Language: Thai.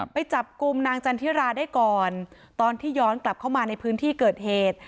ไปจับกลุ่มนางจันทิราได้ก่อนตอนที่ย้อนกลับเข้ามาในพื้นที่เกิดเหตุ